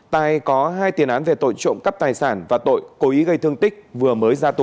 tài có hai tiền án về tội trộm cắp tài sản và tội cố ý gây thương tích vừa mới ra tù